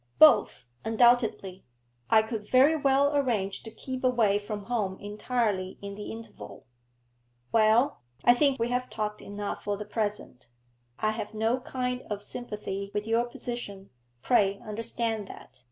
'Both, undoubtedly. I could very well arrange to keep away from home entirely in the interval.' 'Well, I think we have talked enough for the present. I have no kind of sympathy with your position, pray understand that.